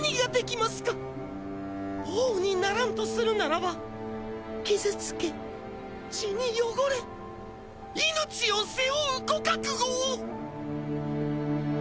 王にならんとするならば傷つけ血に汚れ命を背負うご覚悟を！